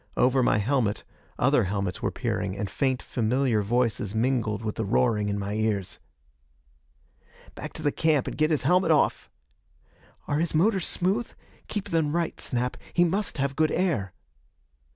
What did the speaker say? Over my helmet other helmets were peering, and faint, familiar voices mingled with the roaring in my ears. " back to the camp and get his helmet off." "Are his motors smooth? Keep them right, Snap he must have good air."